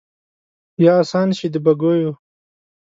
یا آسان شي د بګیو